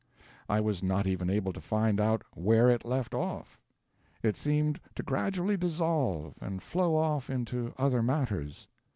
I was not even able to find out where it left off. It seemed to gradually dissolve and flow off into other matters.